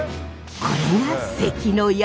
これが関の山！？